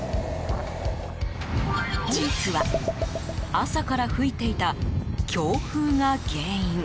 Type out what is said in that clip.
実は、朝から吹いていた強風が原因。